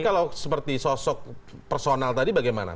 kalau seperti sosok personal tadi bagaimana